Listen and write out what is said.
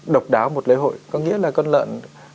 độc đáo một lễ hội có nghĩa là con lợn